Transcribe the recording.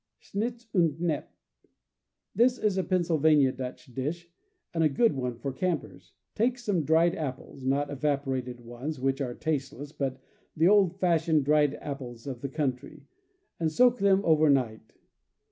Suits uud Knepp. — This is a Pennsylvania Dutch dish, and a good one for campers. Take some dried apples (not evaporated ones, which are tasteless, but the old fashioned dried apples of the country) and soak them over night.